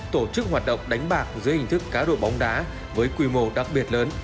tổ chức hoạt động đánh bạc dưới hình thức cá độ bóng đá với quy mô đặc biệt lớn